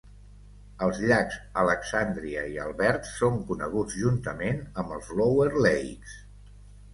Els llacs Alexandria i Albert són coneguts juntament amb els Lower Lakes.